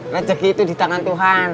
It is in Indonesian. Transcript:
rezeki itu di tangan tuhan